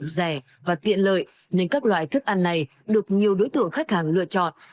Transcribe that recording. rẻ và tiện lợi nên các loại thức ăn này được nhiều đối tượng khách hàng lựa chọn